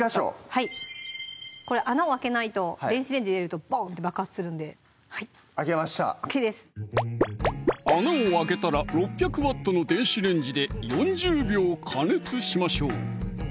はいこれ穴をあけないと電子レンジ入れるとボンって爆発するんであけました穴を開けたら６００Ｗの電子レンジで４０秒加熱しましょう！